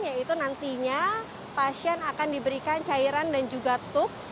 yaitu nantinya pasien akan diberikan cairan dan juga tuk